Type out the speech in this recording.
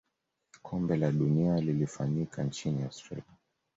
kombe la dunia lilifanyika nchini australia